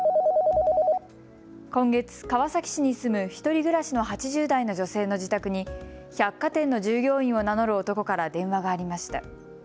今月、川崎市に住む１人暮らしの８０代の女性の自宅に百貨店の従業員を名乗る男から電話がありました。